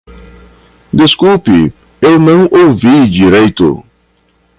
Desculpe - eu não ouvi direito.